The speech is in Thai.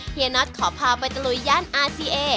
เฮียน็อตขอพาไปตะลุยย่านอาร์เซีย